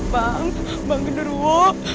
bang bang genderuwo